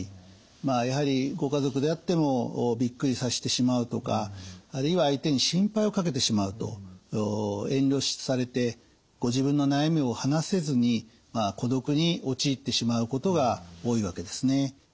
やはりご家族であってもびっくりさせてしまうとかあるいは相手に心配をかけてしまうと遠慮されてご自分の悩みを話せずに孤独に陥ってしまうことが多いわけですね。